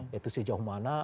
yaitu sejauh mana